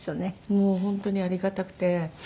もう本当にありがたくて。